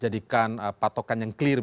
jadikan patokan yang clear